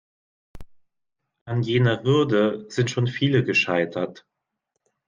An jener Hürde sind schon viele gescheitert.